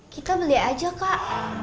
kita beli aja kak